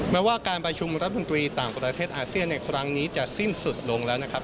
แม้ว่าการประชุมรัฐมนตรีต่างประเทศอาเซียนในครั้งนี้จะสิ้นสุดลงแล้วนะครับ